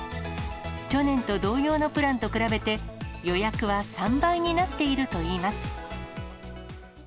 去年と同様のプランと比べて、予約は３倍になっているといいます。